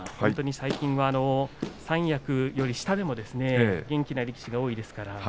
最近は三役以上に下でもですね元気な力士が多いですから。